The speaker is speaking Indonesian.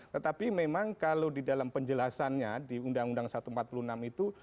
tetapi memang kalau di dalam penjelasannya di undang undang satu ratus empat puluh enam itu